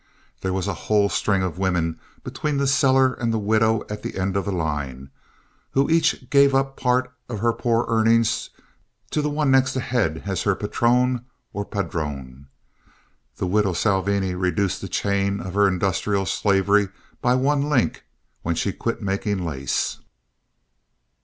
There was a whole string of women between the seller and the widow at the end of the line, who each gave up part of her poor earnings to the one next ahead as her patron, or padrone. The widow Salvini reduced the chain of her industrial slavery by one link when she quit making lace.